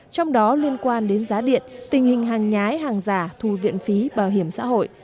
trong đó liên quan đến giá điện tình hình hàng nhái hàng giả thu viện phí bảo hiểm xã hội